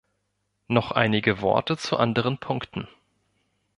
Noch einige Worte zu anderen Punkten.